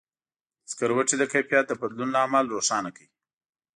د سکروټي د کیفیت د بدلون لامل روښانه کړئ.